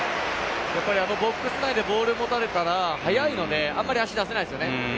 ボックス内でボールを持たれたら速いので、あまり足を出せないですね。